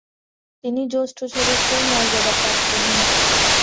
তিনি জ্যেষ্ঠ সদস্যের মর্যাদাপ্রাপ্ত হন।